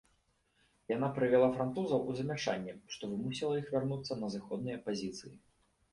Яна прывяла французаў у замяшанне, што вымусіла іх вярнуцца на зыходныя пазіцыі.